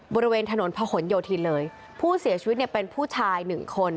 บริเวณถนนพะหนโยธินเลยผู้เสียชีวิตเนี่ยเป็นผู้ชายหนึ่งคน